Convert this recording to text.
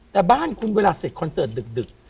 แต่บ้านคุณเวลาเสร็จคอนเสิร์ตดึก